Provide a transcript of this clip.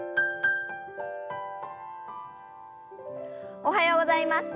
おはようございます。